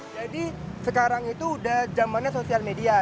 jadi sekarang itu udah zamannya sosial media